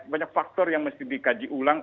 banyak faktor yang mesti dikaji ulang